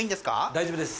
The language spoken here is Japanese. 大丈夫です。